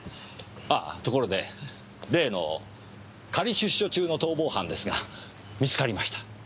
あところで例の仮出所中の逃亡犯ですが見つかりました。